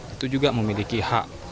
itu juga memiliki hak